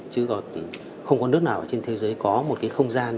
chứ còn không có nước nào trên thế giới có một cái không gian